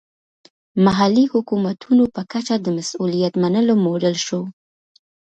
محلي حکومتونو په کچه د مسوولیت منلو موډل شو.